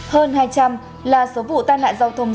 hơn hai trăm linh là số vụ tai nạn giao thông